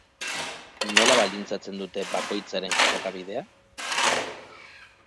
Nola baldintzatzen dute bakoitzaren jokabidea?